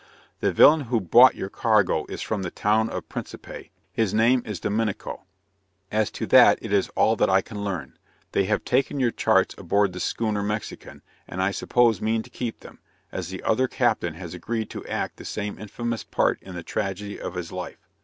The villain who bought your cargo is from the town of Principe, his name is Dominico, as to that it is all that I can learn; they have taken your charts aboard the schooner Mexican, and I suppose mean to keep them, as the other captain has agreed to act the same infamous part in the tragedy of his life.